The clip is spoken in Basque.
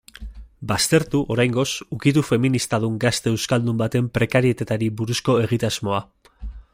Baztertu, oraingoz, ukitu feministadun gazte euskaldun baten prekarietateari buruzko egitasmoa.